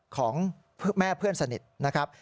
ของแม่เพื่อนสนิทนะครับ